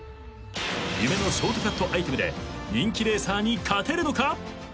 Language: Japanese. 夢のショートカットアイテムで人気レーサーに勝てるのか？